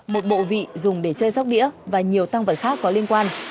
một bộ vị dùng để chơi róc đĩa và nhiều tăng vật khác có liên quan